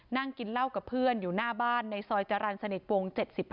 นั่งกินเหล้ากับเพื่อนอยู่หน้าบ้านในซอยจรรย์สนิทวง๗๕